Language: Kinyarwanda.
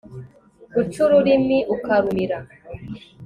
guca ururimi ukarumira